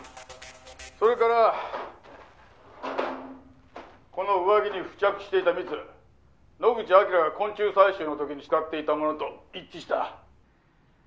「それからこの上着に付着していた蜜野口明が昆虫採集の時に使っていたものと一致した」